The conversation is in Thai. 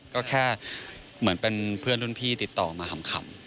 ก็แค่เหมือนเป็นเพื่อนรุ่นพี่ติดต่อมาขำ